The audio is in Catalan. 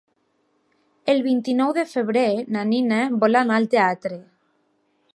El vint-i-nou de febrer na Nina vol anar al teatre.